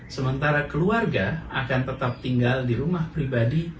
sementara keluarga akan tetap tinggal di rumah pribadi